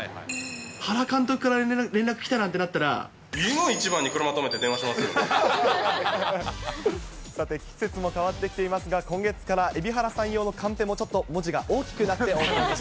原監督から連絡来たなんてないの一番に車止めて、電話しさて、季節も変わってきていますが、今月から、蛯原さん用のカンペも、ちょっと文字が大きくなってお送りしています。